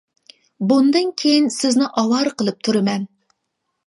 بۇندىن كېيىن سىزنى ئاۋارە قىلىپ تۇرىمەن.